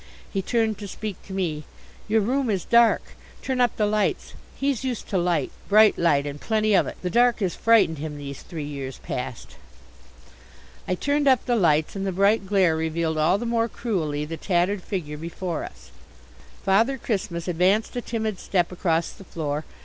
He turned to speak to me, "Your room is dark. Turn up the lights. He's used to light, bright light and plenty of it. The dark has frightened him these three years past." I turned up the lights and the bright glare revealed all the more cruelly the tattered figure before us. Father Christmas advanced a timid step across the floor.